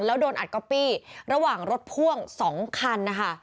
แล้วโดนอัดก๊อปปี้ระหว่างรถพ่วง๒คันนะคะ